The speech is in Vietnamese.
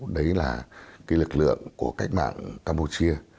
đấy là cái lực lượng của cách mạng campuchia